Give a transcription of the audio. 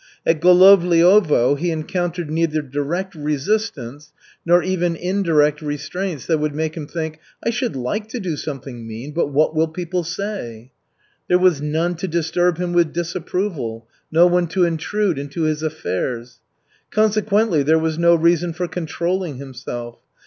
At Golovliovo he encountered neither direct resistance nor even indirect restraints that would make him think: "I should like to do something mean, but what will people say?" There was none to disturb him with disapproval, no one to intrude into his affairs. Consequently there was no reason for controlling himself.